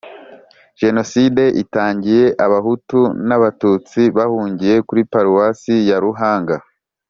Jenoside itangiye abahutu n abatutsi bahungiye kuri paruwasi ya ruhanga